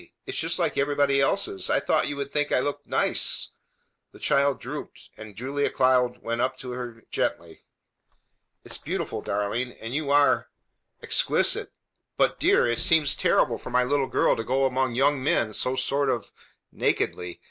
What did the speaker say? It's just like everybody's else. I thought you would think I looked nice!" The child drooped, and Julia Cloud went up to her gently. "It is beautiful, darling, and you are exquisite! But, dear! It seems terrible for my little girl to go among young men so sort of nakedly.